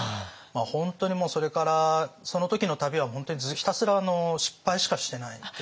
本当にもうそれからその時の旅は本当にひたすら失敗しかしてないですね。